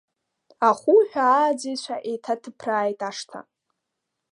Ахуҳәа ааӡаҩцәа еиҭаҭыԥрааит ашҭа.